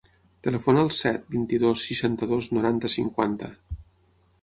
Telefona al set, vint-i-dos, seixanta-dos, noranta, cinquanta.